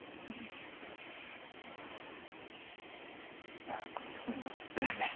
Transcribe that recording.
いやこの局面どうするんでしょうね？